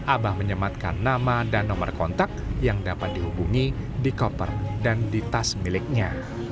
abah menyematkan nama dan nomor kontak yang dapat dihubungi di koper dan di tas miliknya